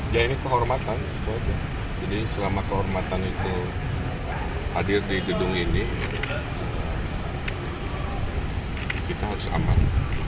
ya ini kehormatan jadi selama kehormatan itu hadir di gedung ini kita harus aman